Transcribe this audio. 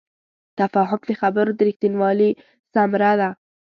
تفاهم د خبرو د رښتینوالي ثمره ده.